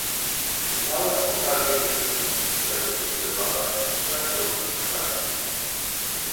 Miałem okazję uczestniczyć w tego typu debatach w trzech różnych krajach